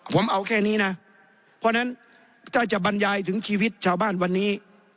ผมเอาแค่นี้นะเพราะฉะนั้นถ้าจะบรรยายถึงชีวิตชาวบ้านวันนี้